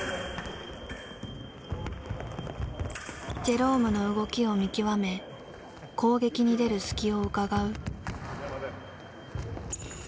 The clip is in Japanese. ジェロームの動きを見極め攻撃に出る隙をうかがう。